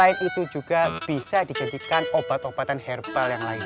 dan itu juga bisa dijadikan obat obatan herbal yang lain